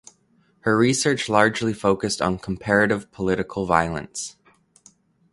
Her research largely focused on comparative political violence.